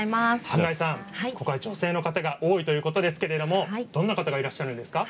女性の方が多いということですけれどもどんな方がいらっしゃるんですか。